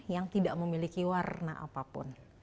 yang tidak memiliki warna apapun